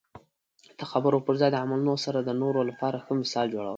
د خبرو په ځای د عملونو سره د نورو لپاره ښه مثال جوړول.